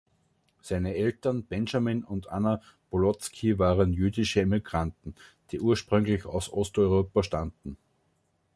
Seine Eltern, Benjamin und Anna Bolotsky, waren jüdische Immigranten, die ursprünglich aus Osteuropa stammten.